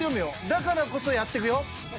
だからこそやっていくよ。